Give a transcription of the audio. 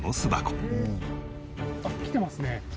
あっ来てますね。